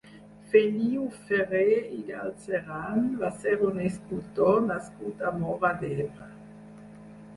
Feliu Ferrer i Galzeran va ser un escultor nascut a Móra d'Ebre.